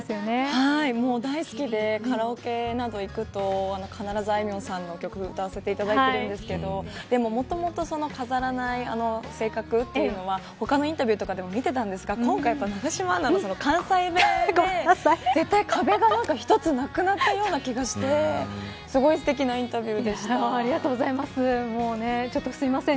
はい、もう大好きでカラオケなど行くと必ず、あいみょんさんの曲を歌わせてもらってるんですけどでももともと飾らない性格というのは他のインタビューでも見ていたんですが今回、永島アナの関西弁で壁が一つなくなったような気がしてすごい、すてきなありがとうございます。